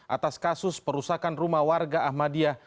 atas kasus perusakan rumah warga ahmadiyah